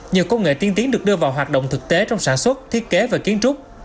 nhiều công nghệ tiên tiến được đưa vào hoạt động thực tế trong sản xuất thiết kế và kiến trúc